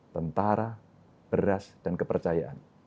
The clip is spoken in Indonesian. tentara beras dan kepercayaan